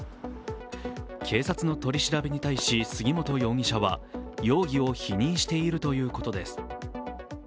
警察の取り調べに対し杉本容疑者は容疑を否認しているということです。